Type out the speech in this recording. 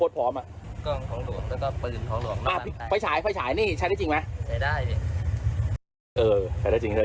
ใช้ได้จริง